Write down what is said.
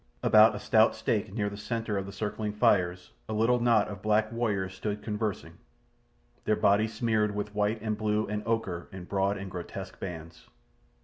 About a stout stake near the centre of the circling fires a little knot of black warriors stood conversing, their bodies smeared with white and blue and ochre in broad and grotesque bands.